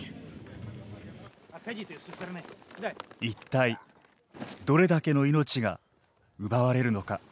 一体、どれだけの命が奪われるのか。